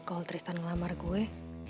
kalau tristan ngelamar gue